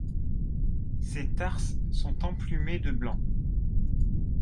Ses tarses sont emplumés de blanc.